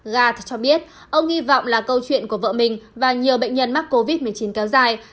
gat cho biết ông hy vọng là câu chuyện của vợ mình và nhiều bệnh nhân mắc covid một mươi chín kéo dài